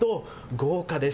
豪華です。